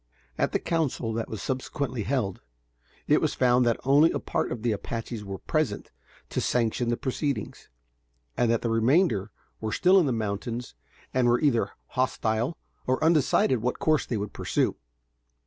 At the council that was subsequently held, it was found that only a part of the Apaches were present to sanction the proceedings, and that the remainder were still in the mountains and were either hostile or undecided what course they would pursue.